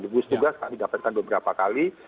gugus tugas kami dapatkan beberapa kali